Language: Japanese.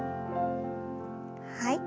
はい。